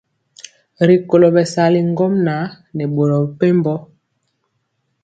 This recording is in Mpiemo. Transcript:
D@Rikolo bɛsali ŋgomnaŋ nɛ boro mepempɔ.